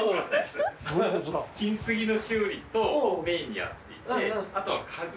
金継ぎの修理をメインにやっていてあとは家具。